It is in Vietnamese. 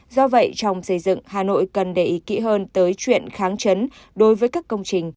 do vậy trong xây dựng hà nội cần để ý kỹ hơn tới chuyện kháng chấn đối với các công trình